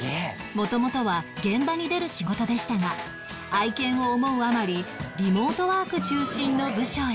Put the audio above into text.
元々は現場に出る仕事でしたが愛犬を思うあまりリモートワーク中心の部署へ